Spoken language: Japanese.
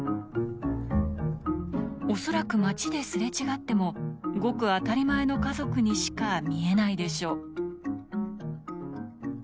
恐らく街で擦れ違ってもごく当たり前の家族にしか見えないでしょう